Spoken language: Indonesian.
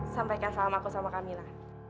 sampaikan salam aku sama kamila